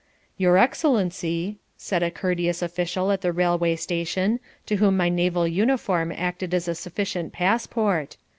"Your Excellency," said a courteous official at the railway station, to whom my naval uniform acted as a sufficient passport.